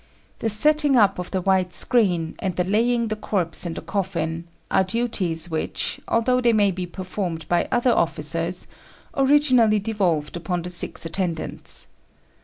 The setting up of the white screen, and the laying the corpse in the coffin, are duties which, although they may be performed by other officers, originally devolved upon the six attendants.